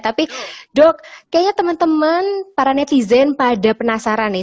tapi dok kayaknya teman teman para netizen pada penasaran nih